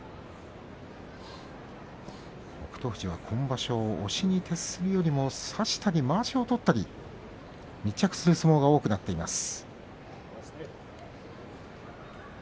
富士、今場所押しにいくよりも差したりまわしをとったり、密着する相撲が多くなっています。